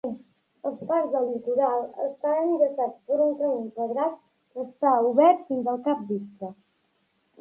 Els parcs del litoral estan enllaçats per un camí empedrat, que està obert fins al capvespre.